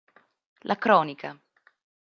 La Crónica